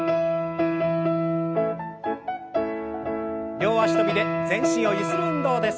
両脚跳びで全身をゆする運動です。